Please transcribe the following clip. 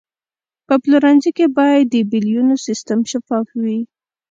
په پلورنځي کې باید د بیلونو سیستم شفاف وي.